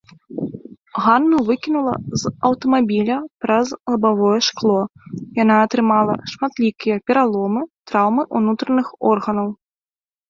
Ганну выкінула з аўтамабіля праз лабавое шкло, яна атрымала шматлікія пераломы, траўмы ўнутраных органаў.